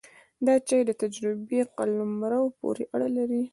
دا چارې د تجربې قلمرو پورې اړه لري.